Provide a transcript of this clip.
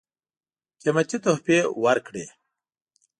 قېمتي تحفې ورکړې.